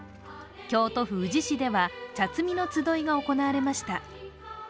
京都府宇治市では茶摘みの集いが行われました。